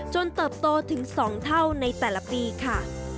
เติบโตถึง๒เท่าในแต่ละปีค่ะ